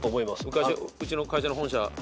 昔うちの会社の本社。